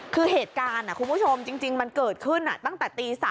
คือเหตุการณ์คุณผู้ชมจริงมันเกิดขึ้นตั้งแต่ตี๓